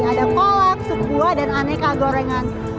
ada kolak sup buah dan aneka gorengan